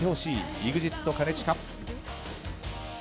ＥＸＩＴ、兼近。